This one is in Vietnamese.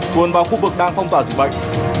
đưa dân vào khu vực đang phong tỏa dịch bệnh